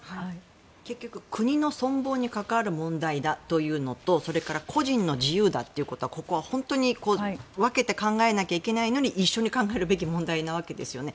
結局、国の存亡に関わる問題だというのとそれから個人の自由だということここは本当に分けて考えなきゃいけないのに一緒に考えるべき問題なわけですよね。